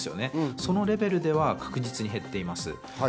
そのレベルでは確実に減っています。